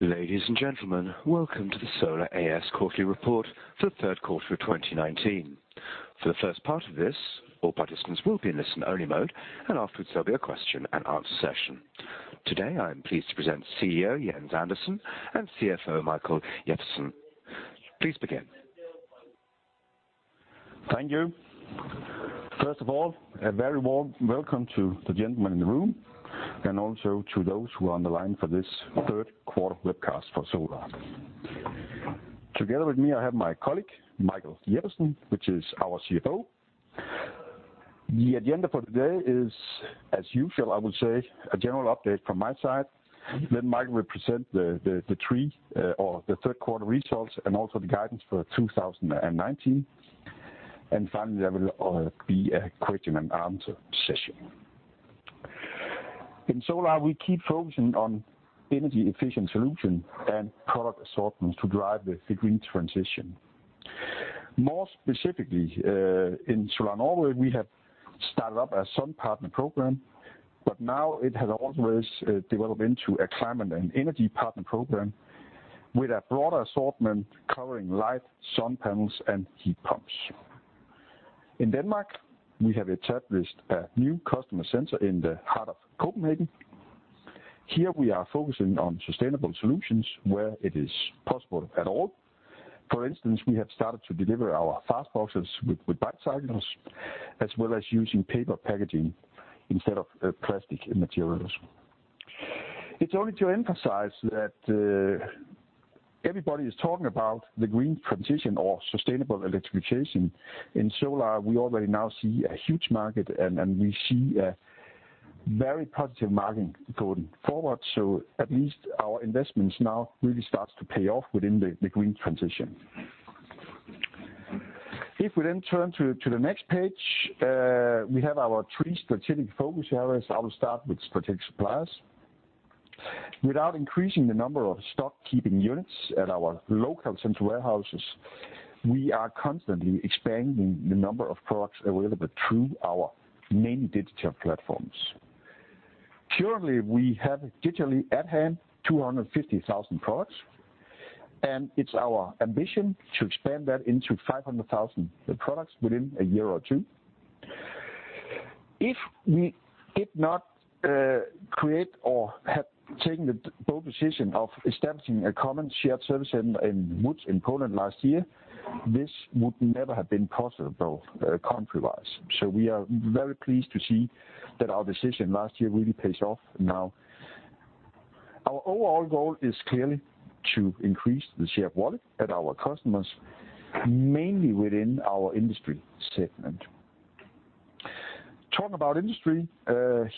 Ladies and gentlemen, welcome to the Solar A/S quarterly report for the third quarter of 2019. For the first part of this, all participants will be in listen-only mode, and afterwards there'll be a question and answer session. Today, I am pleased to present CEO, Jens Andersen, and CFO, Michael Jeppesen. Please begin. Thank you. First of all, a very warm welcome to the gentlemen in the room, and also to those who are on the line for this third quarter webcast for Solar. Together with me, I have my colleague, Michael Jeppesen, which is our CFO. The agenda for today is as usual, I would say, a general update from my side, then Michael will present the third quarter results and also the guidance for 2019. Finally, there will be a question and answer session. In Solar, we keep focusing on energy efficient solution and product assortments to drive the green transition. More specifically, in Solar Norge, we have started up a Sun Partner Program, but now it has always developed into a Climate and Energy Partner Program with a broader assortment covering light, sun panels, and heat pumps. In Denmark, we have established a new customer center in the heart of Copenhagen. Here we are focusing on sustainable solutions where it is possible at all. For instance, we have started to deliver our fast boxes with bike cycles, as well as using paper packaging instead of plastic materials. It's only to emphasize that everybody is talking about the green transition or sustainable electrification. In Solar, we already now see a huge market, and we see a very positive market going forward. At least our investments now really starts to pay off within the green transition. If we then turn to the next page, we have our three strategic focus areas. I will start with strategic suppliers. Without increasing the number of stock keeping units at our local central warehouses, we are constantly expanding the number of products available through our main digital platforms. Currently, we have digitally at hand 250,000 products, and it's our ambition to expand that into 500,000 products within a year or two. If we did not create or have taken the bold position of establishing a common shared service in Lodz in Poland last year, this would never have been possible country-wise. We are very pleased to see that our decision last year really pays off now. Our overall goal is clearly to increase the share of wallet at our customers, mainly within our industry segment. Talking about industry,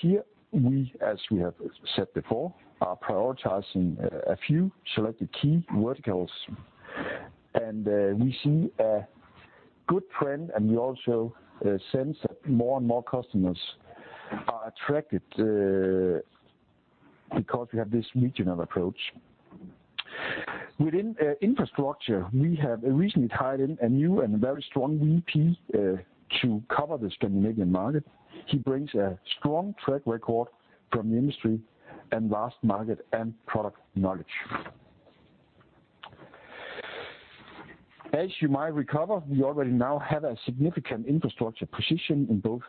here we, as we have said before, are prioritizing a few selected key verticals, and we see a good trend, and we also sense that more and more customers are attracted because we have this regional approach. Within infrastructure, we have recently hired in a new and very strong VP, to cover the Scandinavian market. He brings a strong track record from the industry and vast market and product knowledge. As you might recall, we already now have a significant infrastructure position in both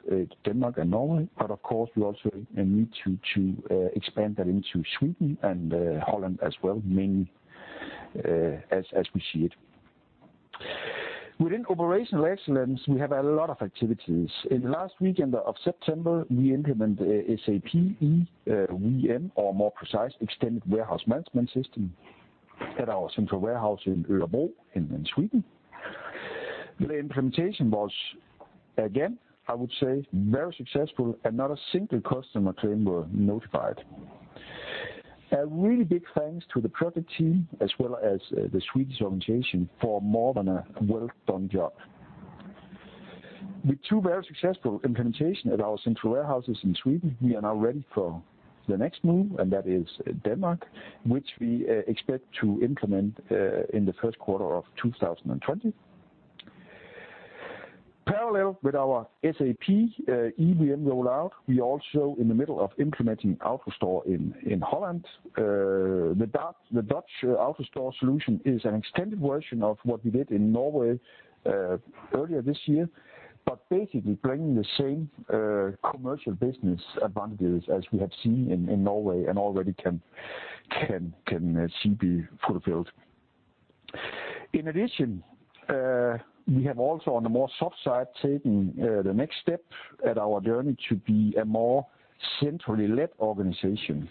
Denmark and Norway, but of course, we also need to expand that into Sweden and Holland as well, mainly, as we see it. Within operational excellence, we have a lot of activities. In last weekend of September, we implement SAP EWM, or more precise, Extended Warehouse Management system at our central warehouse in Örebro in Sweden. The implementation was, again, I would say, very successful, and not a single customer claim were notified. A really big thanks to the project team as well as the Swedish organization for more than a well-done job. With two very successful implementation at our central warehouses in Sweden, we are now ready for the next move, and that is Denmark, which we expect to implement in the first quarter of 2020. Parallel with our SAP EWM rollout, we're also in the middle of implementing AutoStore in Holland. The Dutch AutoStore solution is an extended version of what we did in Norway earlier this year, but basically bringing the same commercial business advantages as we have seen in Norway and already can see be fulfilled. In addition, we have also, on the more soft side, taken the next step at our journey to be a more centrally led organization.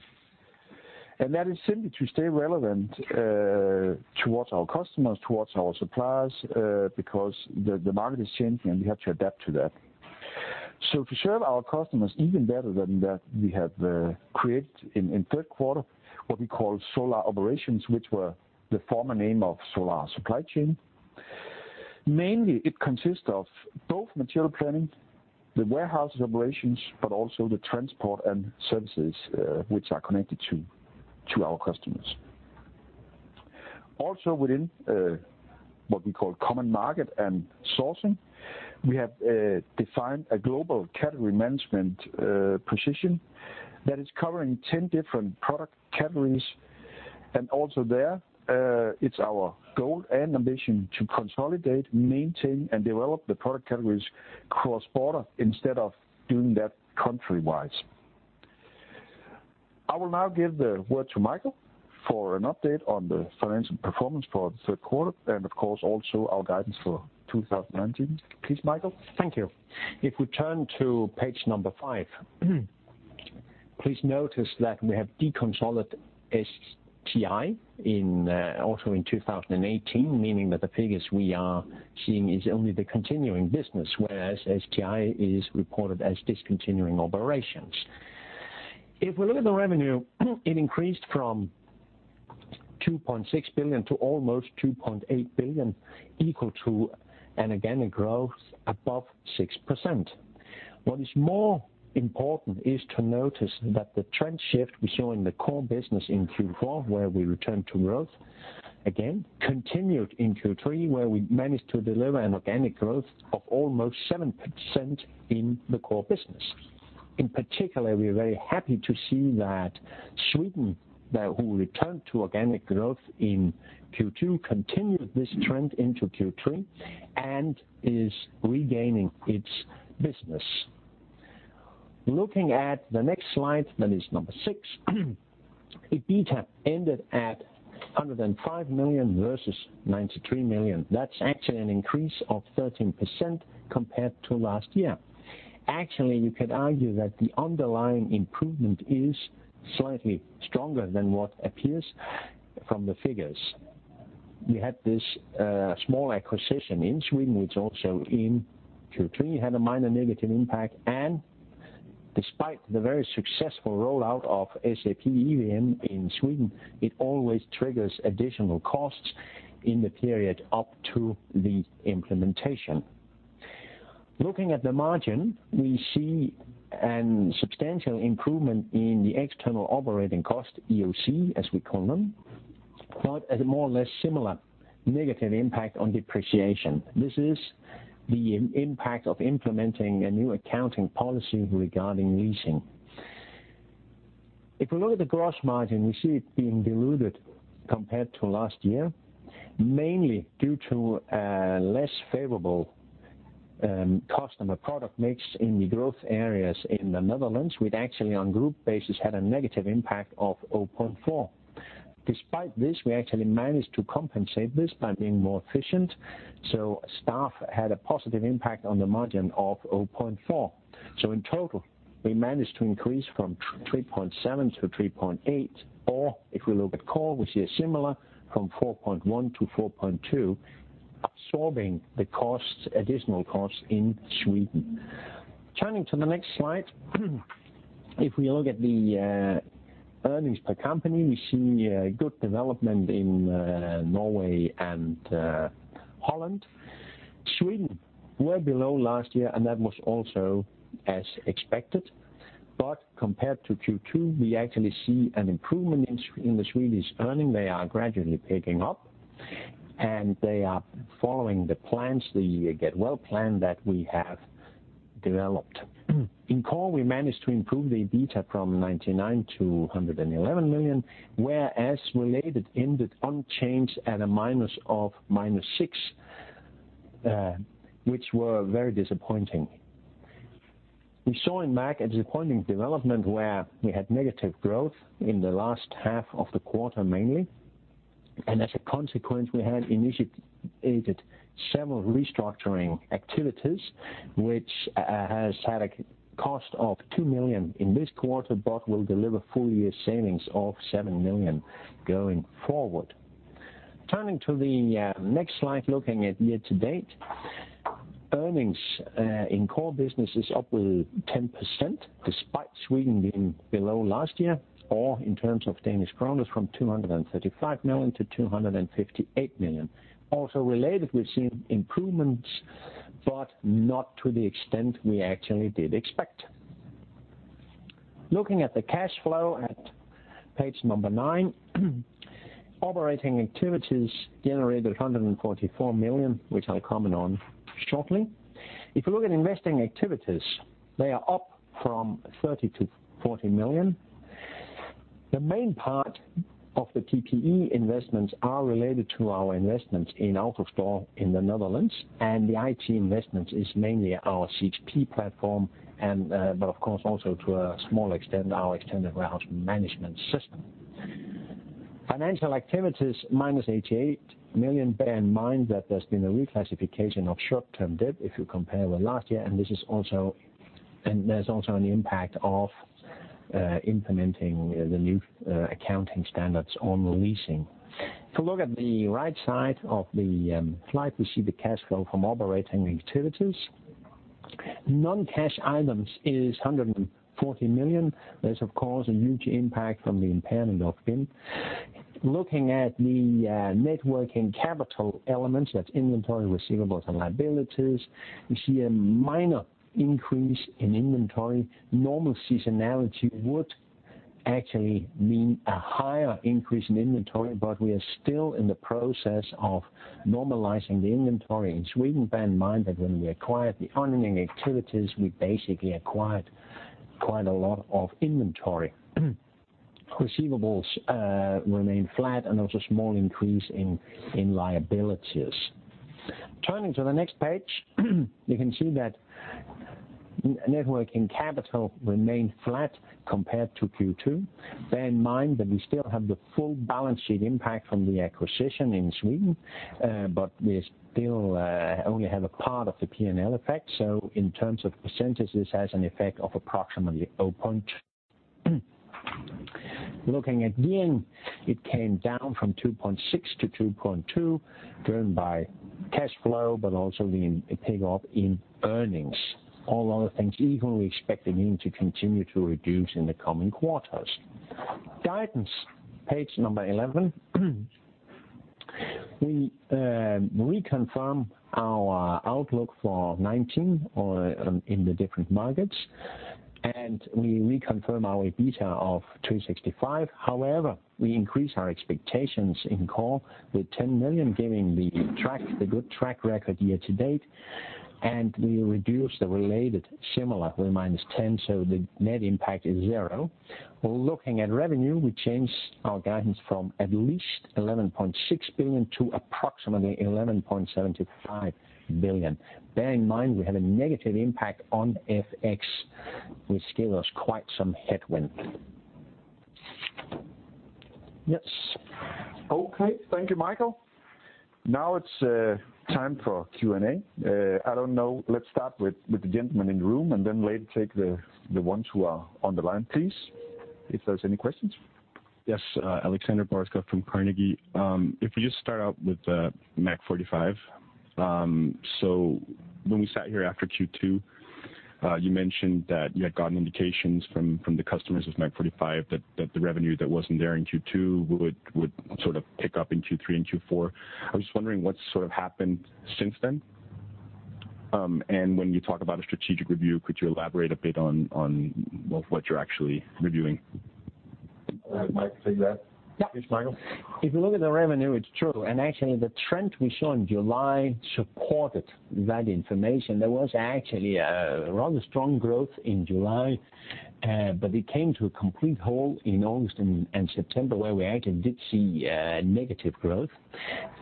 That is simply to stay relevant towards our customers, towards our suppliers, because the market is changing, and we have to adapt to that. To serve our customers even better than that, we have created in third quarter what we call Solar Operations, which were the former name of Solar Supply Chain. Mainly, it consists of both material planning, the warehouses operations, but also the transport and services, which are connected to our customers. Also within what we call common market and sourcing, we have defined a global category management position that is covering 10 different product categories. Also there, it's our goal and ambition to consolidate, maintain, and develop the product categories cross-border instead of doing that country-wise. I will now give the word to Michael for an update on the financial performance for the third quarter and of course, also our guidance for 2019. Please, Michael. Thank you. If we turn to page number five, please notice that we have deconsolidated STI also in 2018, meaning that the figures we are seeing is only the continuing business, whereas STI is reported as discontinuing operations. If we look at the revenue, it increased from 2.6 billion to almost 2.8 billion, equal to an organic growth above 6%. What is more important is to notice that the trend shift we saw in the core business in Q4, where we returned to growth again, continued in Q3, where we managed to deliver an organic growth of almost 7% in the core business. In particular, we are very happy to see that Sweden, who returned to organic growth in Q2, continued this trend into Q3 and is regaining its business. Looking at the next slide, that is number six. EBITDA ended at 105 million versus 93 million. That's actually an increase of 13% compared to last year. Actually, you could argue that the underlying improvement is slightly stronger than what appears from the figures. We had this small acquisition in Sweden, which also in Q3 had a minor negative impact. Despite the very successful rollout of SAP EWM in Sweden, it always triggers additional costs in the period up to the implementation. Looking at the margin, we see a substantial improvement in the external operating cost, EOC, as we call them, but at a more or less similar negative impact on depreciation. This is the impact of implementing a new accounting policy regarding leasing. If we look at the gross margin, we see it being diluted compared to last year, mainly due to a less favorable customer product mix in the growth areas in the Netherlands, which actually on group basis had a negative impact of 0.4%. Despite this, we actually managed to compensate this by being more efficient, so staff had a positive impact on the margin of 0.4%. In total, we managed to increase from 3.7% to 3.8%, or if we look at core, we see a similar from 4.1% to 4.2%, absorbing the additional costs in Sweden. Turning to the next slide. If we look at the earnings per company, we see a good development in Norway and the Netherlands. Sweden, way below last year, and that was also as expected. Compared to Q2, we actually see an improvement in the Swedish earning. They are gradually picking up, and they are following the plans, the get well plan that we have developed. In Core, we managed to improve the EBITDA from 99 million to 111 million, whereas Related ended unchanged at a minus of 6, which were very disappointing. We saw in MAG a disappointing development where we had negative growth in the last half of the quarter mainly. As a consequence, we had initiated several restructuring activities, which has had a cost of 2 million in this quarter but will deliver full year savings of 7 million going forward. Turning to the next slide, looking at year to date. Earnings in Core business is up with 10%, despite Sweden being below last year, or in terms of DKK, from 235 million to 258 million. Also Related, we've seen improvements, not to the extent we actually did expect. Looking at the cash flow at page number nine. Operating activities generated 144 million, which I'll comment on shortly. If you look at investing activities, they are up from 30 million-40 million. The main part of the TPE investments are related to our investments in AutoStore in the Netherlands, and the IT investment is mainly our [CHP platform] and, but of course also to a small extent, our Extended Warehouse Management system. Financial activities, minus 88 million. Bear in mind that there's been a reclassification of short-term debt if you compare with last year, and there's also an impact of implementing the new accounting standards on the leasing. If you look at the right side of the slide, we see the cash flow from operating activities. Non-cash items is 140 million. There's, of course, a huge impact from the impairment of BIM. Looking at the net working capital elements, that's inventory, receivables, and liabilities, we see a minor increase in inventory. Normal seasonality would actually mean a higher increase in inventory. We are still in the process of normalizing the inventory in Sweden. Bear in mind that when we acquired the Onninen activities, we basically acquired quite a lot of inventory. Receivables remain flat. Also small increase in liabilities. Turning to the next page, you can see that net working capital remained flat compared to Q2. Bear in mind that we still have the full balance sheet impact from the acquisition in Sweden. We still only have a part of the P&L effect. In terms of percentages, has an effect of approximately 0 point. Looking at NIBD, it came down from 2.6 to 2.2, driven by cash flow, also the pick-up in earnings. All other things equal, we expect the yin to continue to reduce in the coming quarters. Guidance, page number 11. We reconfirm our outlook for 2019 in the different markets, we reconfirm our EBITDA of 265. We increase our expectations in core with 10 million, given the good track record year to date, and we reduce the related similar with minus 10, so the net impact is zero. Looking at revenue, we changed our guidance from at least 11.6 billion to approximately 11.75 billion. Bear in mind, we have a negative impact on FX, which gave us quite some headwind. Yes. Okay. Thank you, Michael. Now it's time for Q&A. I don't know, let's start with the gentleman in the room, and then later take the ones who are on the line, please, if there's any questions. Yes, Alexander N. Maximilian from Carnegie. If you just start out with MAG45. When we sat here after Q2, you mentioned that you had gotten indications from the customers of MAG45 that the revenue that wasn't there in Q2 would sort of pick-up in Q3 and Q4. I'm just wondering what's sort of happened since then. When you talk about a strategic review, could you elaborate a bit on what you're actually reviewing? I'll let Michael take that. Yeah. Please, Michael. If you look at the revenue, it's true, and actually the trend we saw in July supported that information. There was actually a rather strong growth in July, but it came to a complete halt in August and September, where we actually did see negative growth.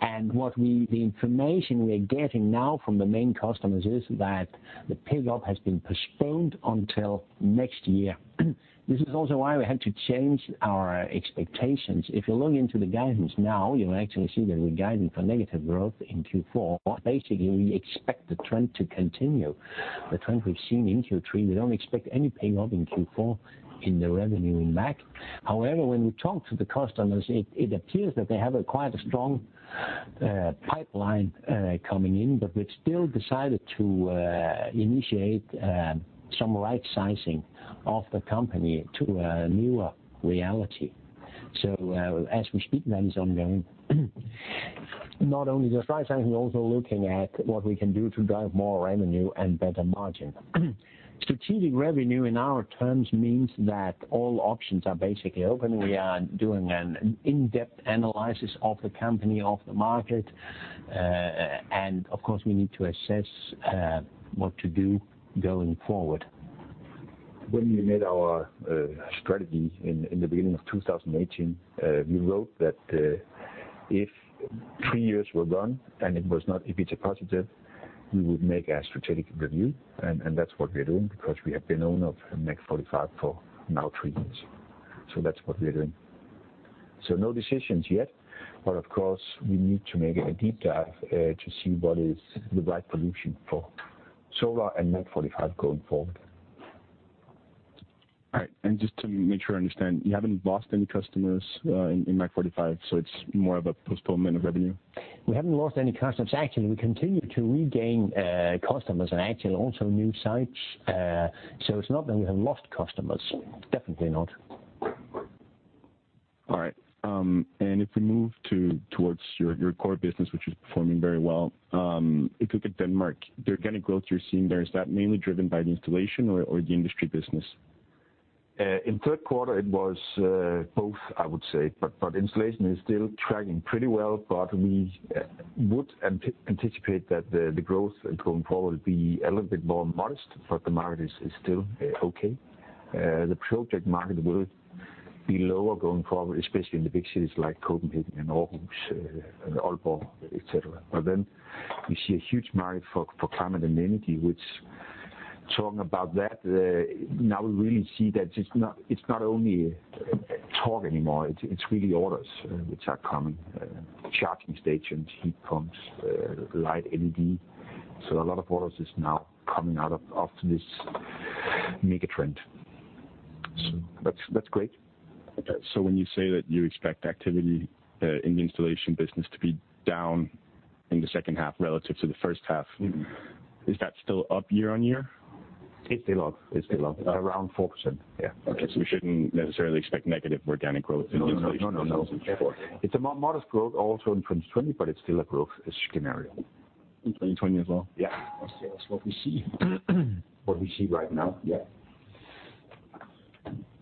The information we are getting now from the main customers is that the pick-up has been postponed until next year. This is also why we had to change our expectations. If you look into the guidance now, you'll actually see that we're guiding for negative growth in Q4. Basically, we expect the trend to continue, the trend we've seen in Q3. We don't expect any pick-up in Q4 in the revenue in MAG45. When we talk to the customers, it appears that they have quite a strong pipeline coming in, but we've still decided to initiate some right sizing of the company to a newer reality. As we speak, that is ongoing. Not only the right sizing, we're also looking at what we can do to drive more revenue and better margin. Strategic revenue in our terms means that all options are basically open. We are doing an in-depth analysis of the company, of the market, and of course, we need to assess what to do going forward. When we made our strategy in the beginning of 2018, we wrote that if three years were gone and it was not EBITDA positive, we would make a strategic review. That's what we are doing, because we have been owner of MAG45 for now three years. That's what we are doing. No decisions yet, of course, we need to make a deep dive to see what is the right solution for Solar and MAG45 going forward. All right. Just to make sure I understand, you haven't lost any customers in MAG45, so it's more of a postponement of revenue? We haven't lost any customers. Actually, we continue to regain customers and actually also new sites. It's not that we have lost customers. Definitely not. All right. If we move towards your core business, which is performing very well. If you look at Denmark, the organic growth you're seeing there, is that mainly driven by the installation or the industry business? In third quarter, it was both, I would say. Installation is still tracking pretty well, but we would anticipate that the growth going forward will be a little bit more modest, but the market is still okay. The project market will be lower going forward, especially in the big cities like Copenhagen and Aarhus and Aalborg, et cetera. We see a huge market for climate and energy, which talking about that, now we really see that it's not only talk anymore, it's really orders which are coming. Charging stations, heat pumps, light LED. A lot of orders is now coming out of this mega trend. That's great. Okay. When you say that you expect activity in the installation business to be down in the second half relative to the first half. Is that still up year-on-year? It's still up. It's still up. Around 4%, yeah. Okay. We shouldn't necessarily expect negative organic growth in installations- No. In 2024. It's a modest growth also in 2020. It's still a growth scenario. In 2020 as well? Yeah. That's what we see right now. Yeah.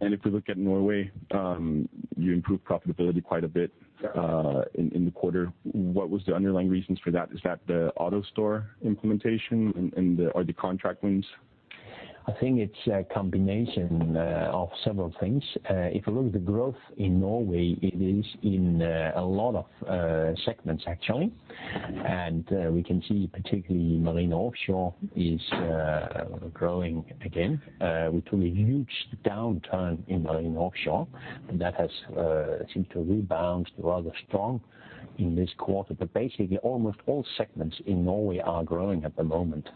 If we look at Norway, you improved profitability quite a bit. Yeah in the quarter. What was the underlying reasons for that? Is that the AutoStore implementation or the contract wins? I think it's a combination of several things. If you look at the growth in Norway, it is in a lot of segments, actually. We can see particularly marine offshore is growing again. We took a huge downturn in marine offshore that has seemed to rebound rather strong in this quarter. Basically, almost all segments in Norway are growing at the moment.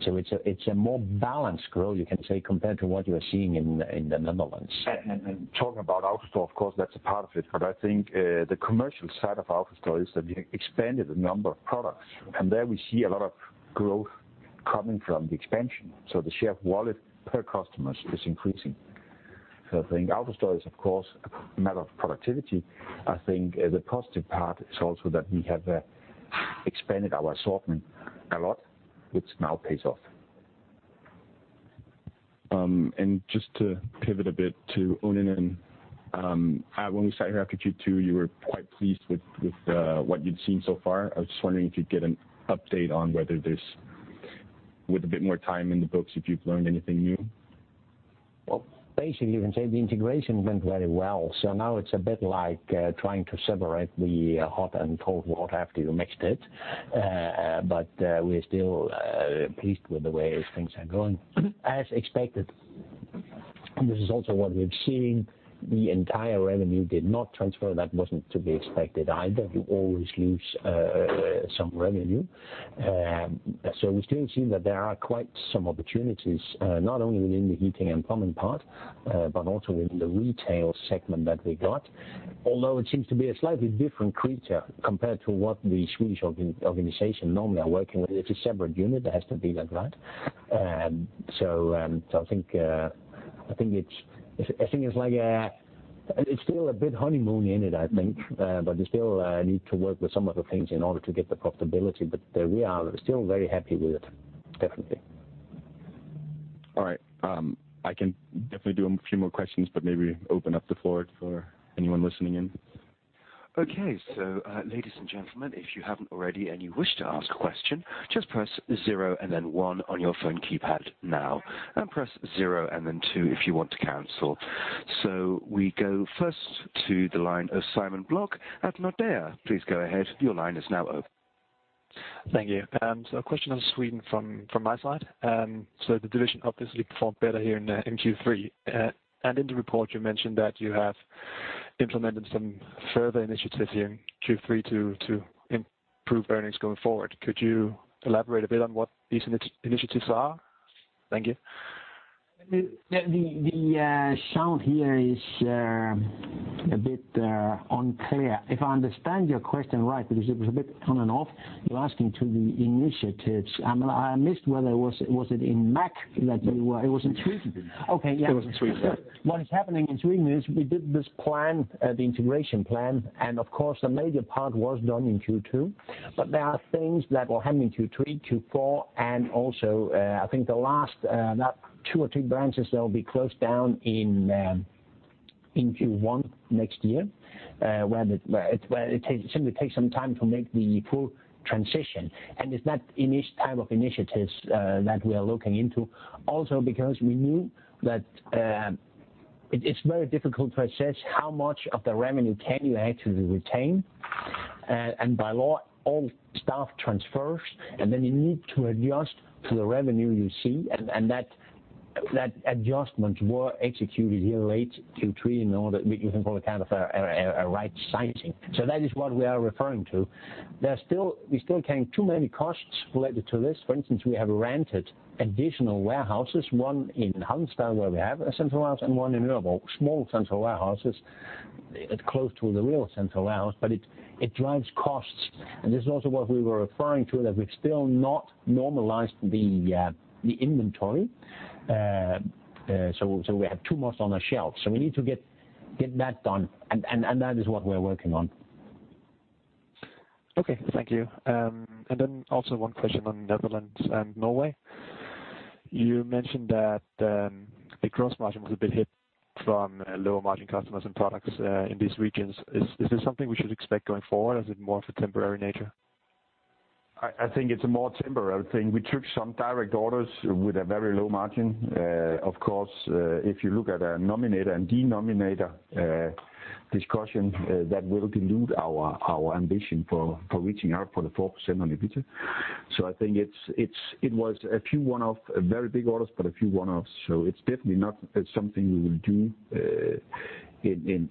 It's a more balanced growth, you can say, compared to what you are seeing in the Netherlands. Talking about AutoStore, of course, that's a part of it, but I think the commercial side of AutoStore is that we expanded the number of products, and there we see a lot of growth coming from the expansion. The share of wallet per customer is increasing. I think AutoStore is, of course, a matter of productivity. I think the positive part is also that we have expanded our assortment a lot, which now pays off. Just to pivot a bit to Onninen. When we sat here after Q2, you were quite pleased with what you'd seen so far. I was just wondering if you'd get an update on whether there's, with a bit more time in the books, if you've learned anything new. Well, basically, you can say the integration went very well. Now it's a bit like trying to separate the hot and cold water after you mixed it. We're still pleased with the way things are going. As expected, and this is also what we've seen, the entire revenue did not transfer. That wasn't to be expected either. You always lose some revenue. We still see that there are quite some opportunities, not only within the heating and plumbing part, but also within the retail segment that we got. Although it seems to be a slightly different creature compared to what the Swedish organization normally are working with. It's a separate unit. It has to be like that. I think it's still a bit honeymoon in it, I think, but you still need to work with some of the things in order to get the profitability. We are still very happy with it, definitely. All right. I can definitely do a few more questions, but maybe open up the floor for anyone listening in. Okay. Ladies and gentlemen, if you haven't already and you wish to ask a question, just press 0 and then 1 on your phone keypad now and press 0 and then 2 if you want to cancel. We go first to the line of Simon Block at Nordea. Please go ahead. Your line is now open. Thank you. A question on Sweden from my side. The division obviously performed better here in Q3. In the report you mentioned that you have implemented some further initiatives here in Q3 to improve earnings going forward. Could you elaborate a bit on what these initiatives are? Thank you. The sound here is a bit unclear. If I understand your question right, because it was a bit on and off. You're asking to the initiatives. I missed whether was it in MAG45. It was in Sweden. It was in Sweden. What is happening in Sweden is we did this plan, the integration plan, and of course a major part was done in Q2. There are things that will happen in Q3, Q4, and also I think the last two or three branches, they'll be closed down in Q1 next year. Where it simply takes some time to make the full transition. It's that type of initiatives that we are looking into. Also because we knew that it's very difficult to assess how much of the revenue can you actually retain. By law, all staff transfers, and then you need to adjust to the revenue you see. That adjustment was executed here late Q3 in order, we can call it a right sizing. That is what we are referring to. We still carry too many costs related to this. For instance, we have rented additional warehouses, one in Halmstad where we have a central warehouse and one in Örebro. Small central warehouses close to the real central warehouse, but it drives costs. This is also what we were referring to, that we've still not normalized the inventory. We have too much on the shelf, so we need to get that done, and that is what we're working on. Okay. Thank you. Also one question on Netherlands and Norway. You mentioned that the gross margin was a bit hit from lower margin customers and products in these regions. Is this something we should expect going forward? Is it more of a temporary nature? I think it's a more temporary thing. We took some direct orders with a very low margin. Of course, if you look at a nominator and denominator discussion, that will dilute our ambition for reaching out for the 4% on EBITDA. I think it was a few one-off very big orders, but a few one-offs. It's definitely not something we will do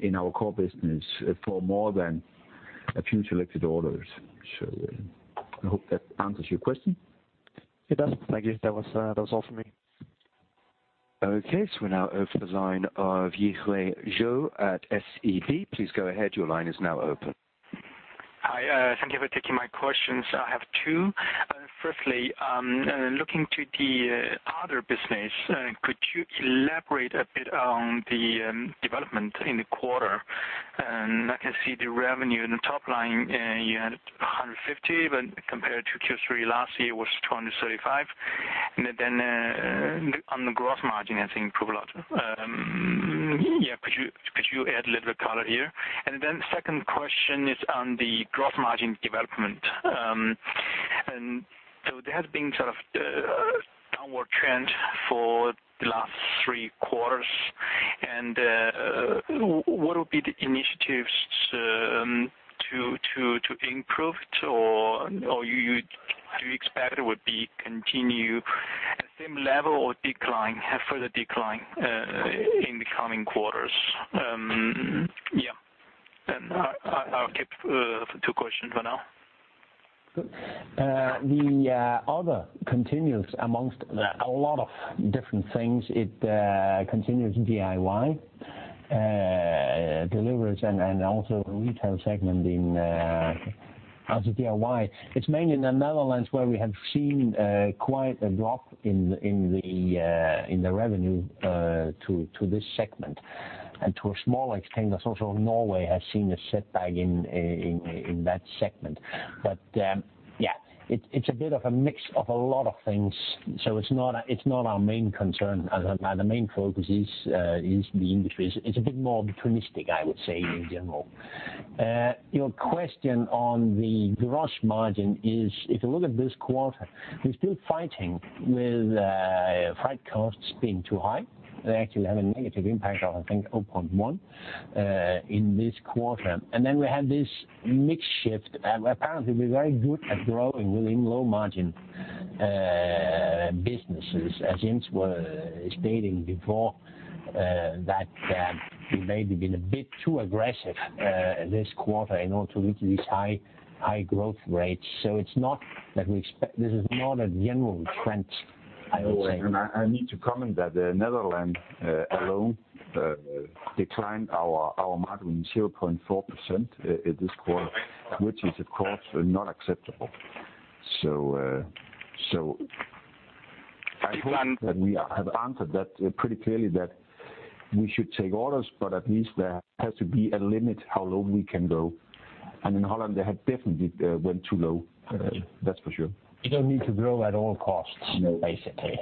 in our core business for more than a few selected orders. I hope that answers your question. It does. Thank you. That was all for me. Okay. We now open the line of Yihui Zhao at SEB. Please go ahead. Your line is now open Hi. Thank you for taking my questions. I have two. Firstly, looking to the other business, could you elaborate a bit on the development in the quarter? I can see the revenue in the top line, you had 150. Compared to Q3 last year, it was 235. On the gross margin, I think improved a lot. Could you add a little bit of color here? The second question is on the gross margin development. There has been sort of a downward trend for the last three quarters. What will be the initiatives to improve it, or do you expect it would continue at the same level or decline, further decline in the coming quarters? I'll keep two questions for now. The other continues amongst a lot of different things. It continues DIY deliveries and also the retail segment in other DIY. It's mainly in the Netherlands where we have seen quite a drop in the revenue to this segment. To a small extent, also Norway has seen a setback in that segment. It's a bit of a mix of a lot of things. It's not our main concern. Our main focus is the industry. It's a bit more opportunistic, I would say, in general. Your question on the gross margin is, if you look at this quarter, we're still fighting with freight costs being too high. They actually have a negative impact on, I think, 0.1% in this quarter. We have this mix shift. Apparently, we're very good at growing within low margin businesses. As Jens was stating before, that we've maybe been a bit too aggressive this quarter in order to reach these high growth rates. This is not a general trend, I would say. I need to comment that the Netherlands alone declined our margin 0.4% this quarter, which is, of course, not acceptable. I hope that we have answered that pretty clearly that we should take orders, but at least there has to be a limit how low we can go. In Holland, they have definitely went too low. That's for sure. You don't need to grow at all costs, basically.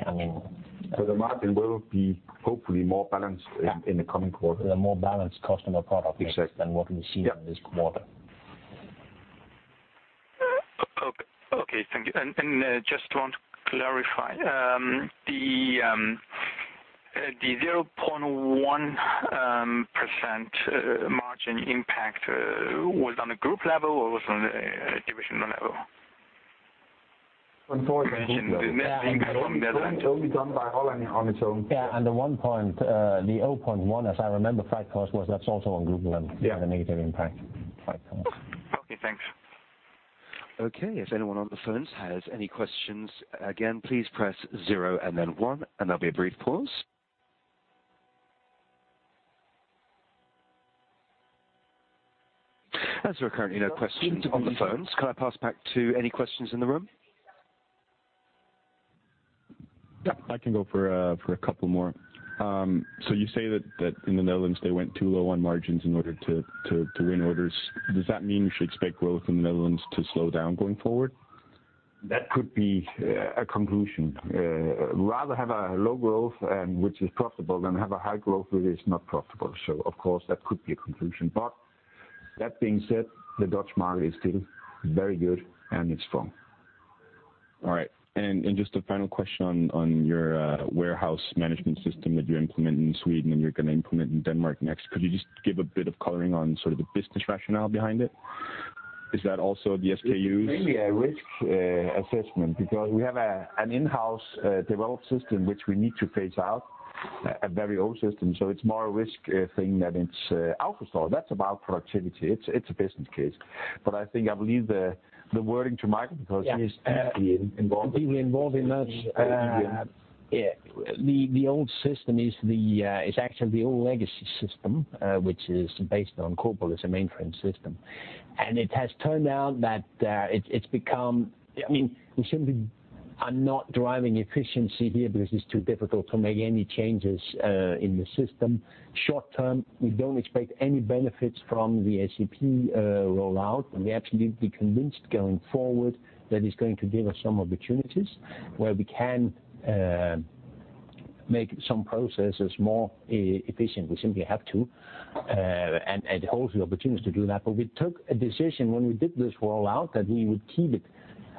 The margin will be hopefully more balanced in the coming quarter. A more balanced customer product mix. Exactly than what we see in this quarter. Okay. Thank you. Just want to clarify, the 0.1% margin impact was on a group level or was on a divisional level? That was only done by Holland on its own. Yeah, the 0.1, as I remember, freight cost was, that's also on group level, the negative impact, freight cost. Okay, thanks. Okay. If anyone on the phones has any questions, again, please press zero and then one, and there will be a brief pause. As there are currently no questions on the phones, can I pass back to any questions in the room? Yeah, I can go for a couple more. You say that in the Netherlands, they went too low on margins in order to win orders. Does that mean we should expect growth in the Netherlands to slow down going forward? That could be a conclusion. Rather have a low growth and which is profitable than have a high growth that is not profitable. Of course, that could be a conclusion. That being said, the Dutch market is still very good and it's strong. All right. Just a final question on your warehouse management system that you implement in Sweden and you're going to implement in Denmark next. Could you just give a bit of coloring on sort of the business rationale behind it? Is that also the SKUs? It's mainly a risk assessment because we have an in-house developed system which we need to phase out, a very old system. It's more a risk thing than it's AutoStore. That's about productivity. It's a business case. I think I will leave the wording to Michael because he is heavily involved in this. Heavily involved in that. The old system is actually the old legacy system, which is based on COBOL. It's a mainframe system. It has turned out that it's become, we simply are not driving efficiency here because it's too difficult to make any changes in the system. Short term, we don't expect any benefits from the ACP rollout. We absolutely convinced going forward that it's going to give us some opportunities where we can make some processes more efficient. We simply have to, and it holds the opportunity to do that. We took a decision when we did this rollout that we would keep it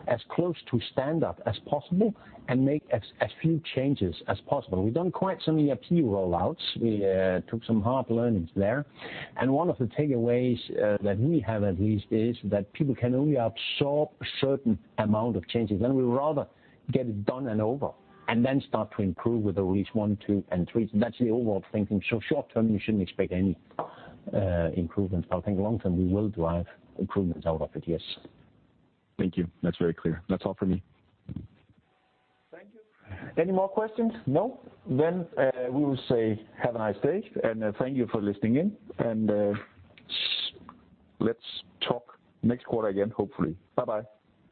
as close to standard as possible and make as few changes as possible. We've done quite some ERP rollouts. We took some hard learnings there. One of the takeaways that we have at least is that people can only absorb a certain amount of changes, and we'd rather get it done and over and then start to improve with the release one, two, and three. That's the overall thinking. Short term, you shouldn't expect any improvements, but I think long term, we will drive improvements out of it, yes. Thank you. That's very clear. That's all for me. Thank you. Any more questions? No? We will say have a nice day, and thank you for listening in. Let's talk next quarter again, hopefully. Bye-bye.